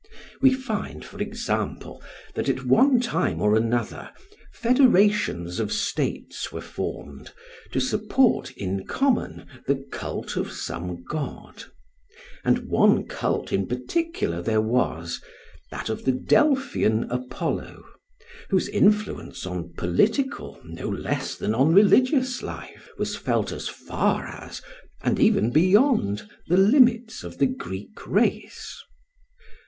We find, for example, that at one time or another federations of states were formed to support in common the cult of some god; and one cult in particular there was that of the Delphian Apollo whose influence on political no less than on religious life was felt as far as and even beyond the limits of the Greek race.